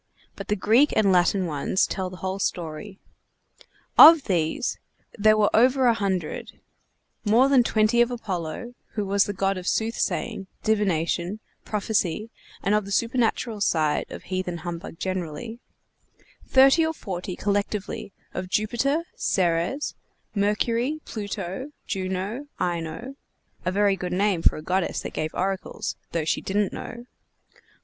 But the Greek and Latin ones tell the whole story. Of these there were over a hundred; more than twenty of Apollo, who was the god of soothsaying, divination, prophecy, and of the supernatural side of heathen humbug generally; thirty or forty collectively of Jupiter, Ceres, Mercury, Pluto, Juno, Ino (a very good name for a goddess that gave oracles, though she didn't know!)